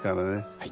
はい。